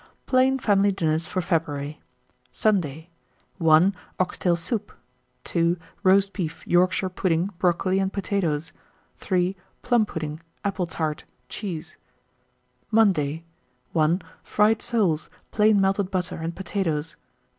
PLAIN FAMILY DINNERS FOR FEBRUARY. 1917. Sunday. 1. Ox tail soup. 2 Roast beef, Yorkshire pudding, brocoli, and potatoes. 3. Plum pudding, apple tart. Cheese. 1918. Monday. 1. Fried soles, plain melted butter, and potatoes.